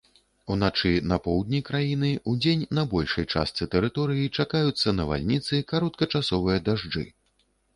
Уначы на поўдні краіны, удзень на большай частцы тэрыторыі чакаюцца навальніцы, кароткачасовыя дажджы.